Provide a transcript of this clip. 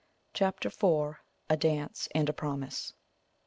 CHAPTER IV. A DANCE AND A PROMISE.